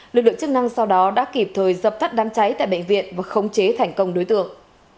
lực lượng chức năng sau đó đã kịp thời dập tắt đám cháy tại bệnh viện và khống chế thành công đối tượng